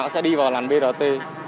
nó sẽ đi vào làn brt